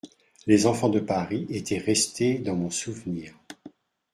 Les enfants de Paris étaient restés dans mon souvenir.